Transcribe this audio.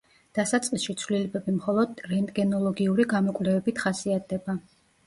დასაწყისში ცვლილებები მხოლოდ რენტგენოლოგიური გამოკვლევებით ხასიათდება.